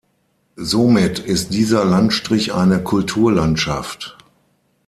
Somit ist dieser Landstrich eine Kulturlandschaft.